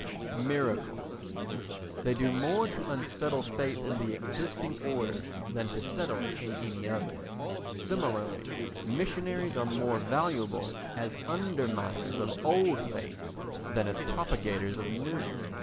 Miracles They do more to unsettle faith in the existing order than to settle it in any other; similarly, missionaries are more valuable as underminers of old faiths than as propagators of new.